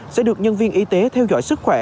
sẽ được nhân viên y tế theo dõi sức khỏe